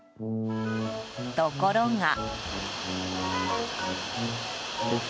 ところが。